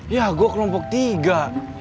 ya gue kelompok tiga